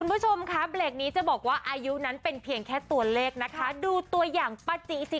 บริเวิสประหลาดที่จะบอกว่าอายุนั้นเป็นเพียงแค่ตัวเลขดูตัวอย่างป้าจิสิ